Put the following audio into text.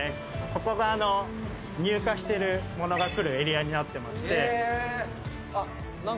ここが入荷してる物が来るエリアになってまして。